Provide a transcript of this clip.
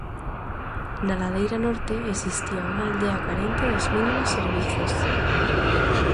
Na ladeira norte existía unha aldea carente dos mínimos servizos.